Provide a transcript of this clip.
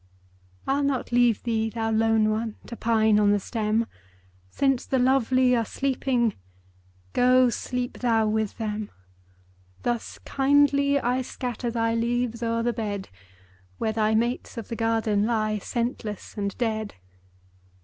I'll not leave thee, thou lone one ! To pine on the stem ; Since the lovely are sleeping, Go sleep thou with them. Thus kindly I scatter Thy leaves o'er the bed, Where thy mates of the garden Lie scentless and dead.